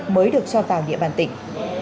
mới được cho vào địa bàn tỉnh